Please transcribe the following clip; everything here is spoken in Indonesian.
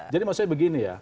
jadi maksudnya begini ya